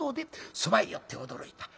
そばへ寄って驚いた。